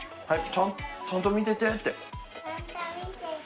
ちゃんと見ててって。